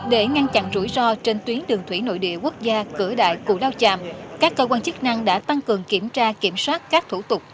để ngăn chặn rủi ro trên tuyến đường thủy nội địa quốc gia cửa đại cù lao tràm các cơ quan chức năng đã tăng cường kiểm tra kiểm soát các thủ tục